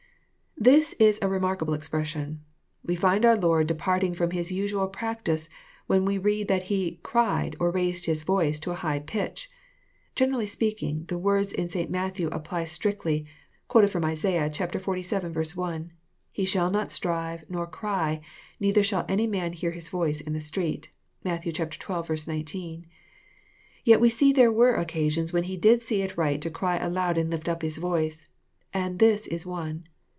2 This is a remarkable expression. We find our Lord departing ftom His usual prac tice, when we read that He " cried," op raised His voice to a high pitch. Generally speaking, the words in St. Matthew apply strictly, quoted fromlaa. xlvii. 1, — "He shall not strive nor cry, neither shall any man hear His voice in the street." (Matt. xii. 19.) Yet we see there were occasions when He did see it right to cry aloud and lift up His voice, and this Is one.